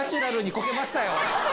こけました！